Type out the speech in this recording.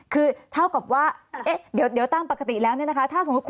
คือเท่ากับว่าเดี๋ยวนี้ตั้งปกติแล้วนะค่ะถ้าสมมติคุณแม่